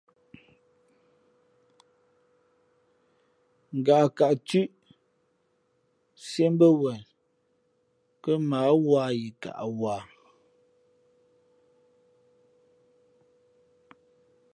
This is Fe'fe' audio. Ngaʼkaʼ thʉ̄ʼ siēʼ mbα̌ wen mα ǎ wa yi kaʼ wα.